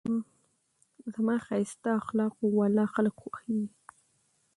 زما ښایسته اخلاقو واله خلک خوښېږي.